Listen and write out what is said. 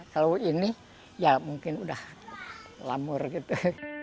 kalau ini ya mungkin udah lamur gitu